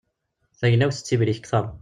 Tagnawt tettibrik kter.